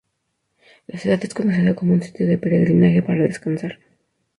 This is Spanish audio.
La ciudad es conocida como un sitio de peregrinaje para descansar.